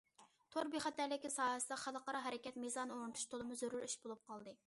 تور بىخەتەرلىكى ساھەسىدە خەلقئارا ھەرىكەت مىزانى ئورنىتىش تولىمۇ زۆرۈر ئىش بولۇپ قالدى.